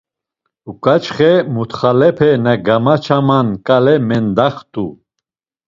Uǩaçxe mutxalepe na gamaçaman ǩale mendaxt̆u.